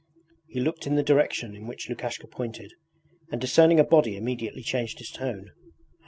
He looked in the direction in which Lukashka pointed, and discerning a body immediately changed his tone.